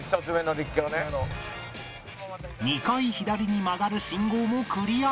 ２回左に曲がる信号もクリア！